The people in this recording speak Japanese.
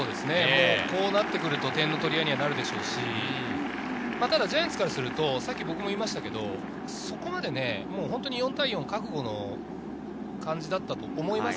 こうなってくると点の取り合いになるでしょうし、ただジャイアンツからすると、そこまで４対４の覚悟の感じだったと思います。